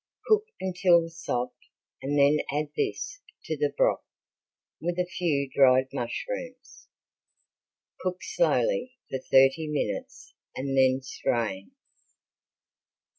Cook until soft and then add this to the broth with a few dried mushrooms. Cook slowly for thirty minutes and then strain.